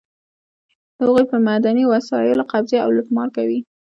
د هغوی پر معدني وسایلو قبضه او لوټمار کوي.